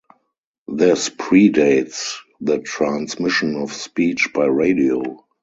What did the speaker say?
This pre-dates the transmission of speech by radio.